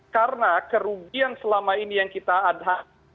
karena kerugian selama ini yang kita adhak